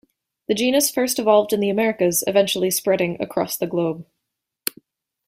The genus first evolved in the Americas, eventually spreading across the globe.